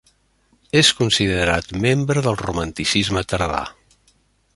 És considerat membre del romanticisme tardà.